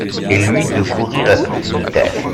Et lui de courrir à toute vitesse.